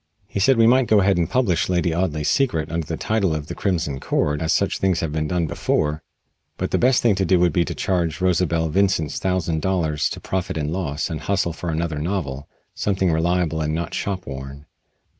He said we might go ahead and publish "Lady Audley's Secret" under the title of "The Crimson Cord," as such things had been done before, but the best thing to do would be to charge Rosa Belle Vincent's thousand dollars to Profit and Loss and hustle for another novel something reliable and not shop worn.